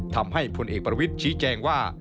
ทำให้พลเอกประวิทย์ชี้แจงว่า